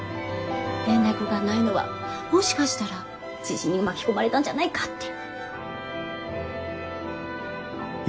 連絡がないのはもしかしたら地震に巻き込まれたんじゃないかって。